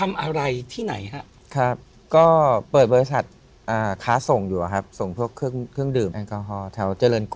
โปรดติดตามตอนต่อไป